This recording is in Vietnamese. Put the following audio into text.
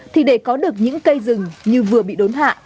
thì để có được những cây rừng như vừa bị đốn hạ